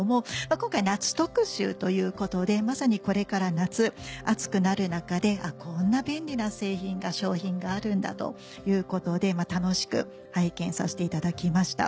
今回夏特集ということでまさにこれから夏暑くなる中で「こんな便利な製品が商品があるんだ」ということで楽しく拝見させていただきました。